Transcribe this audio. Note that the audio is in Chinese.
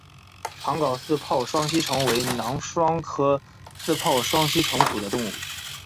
长睾似泡双吸虫为囊双科似泡双吸虫属的动物。